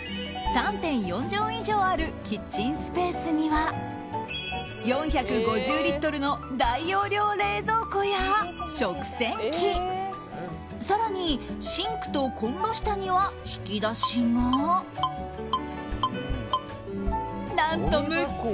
３．４畳以上あるキッチンスペースには４５０リットルの大容量冷蔵庫や食洗機更にシンクとコンロ下には引き出しが何と６つ！